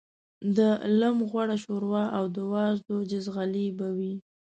د لېم غوړ شوروا او د وازدو جیزغالي به وې.